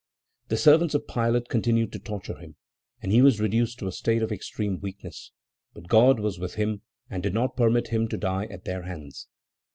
The servants of Pilate continued to torture him, and he was reduced to a state of extreme weakness; but God was with him and did not permit him to die at their hands.